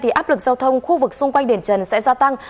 thì áp lực giao thông khu vực xung quanh đền trần sẽ gia tăng